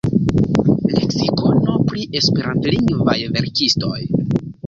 Leksikono pri Esperantlingvaj verkistoj.